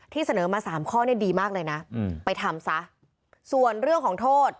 เสนอมาสามข้อเนี่ยดีมากเลยนะไปทำซะส่วนเรื่องของโทษ